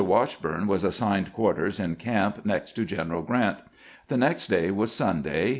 Washburne was assigned quarters in camp next to G eneral Grant. The next day was Sunday.